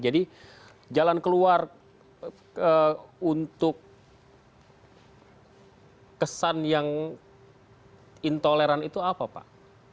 jadi jalan keluar untuk kesan yang intoleran itu apa pak